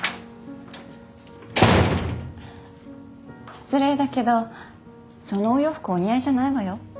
失礼だけどそのお洋服お似合いじゃないわよ。